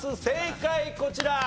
正解こちら。